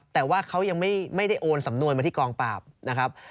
แต่ว่าเขายังไม่ได้โอนสำนวนมาที่กองปราบนะครับ